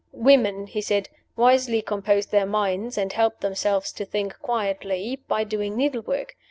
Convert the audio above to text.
"Women," he said, "wisely compose their minds, and help themselves to think quietly, by doing needle work.